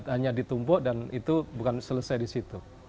hanya ditumpuk dan itu bukan selesai di situ